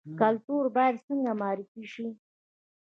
کلتور باید څنګه معرفي شي؟